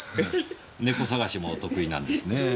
猫捜しもお得意なんですねぇ。